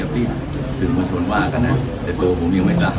ยังมีการจับมือกับพระบาทธานอเมตดาชาติไทยอยู่หรือเปล่าครับ